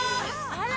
あら！